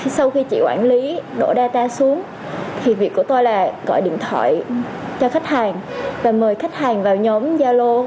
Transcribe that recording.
sau khi chị quản lý đổ data xuống thì việc của tôi là gọi điện thoại cho khách hàng và mời khách hàng vào nhóm gia lô